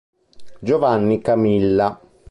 Giovanni Camilla